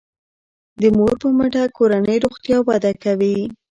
د مور په مټه کورنی روغتیا وده کوي.